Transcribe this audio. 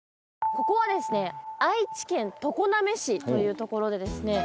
ここはですね愛知県常滑市という所でですね。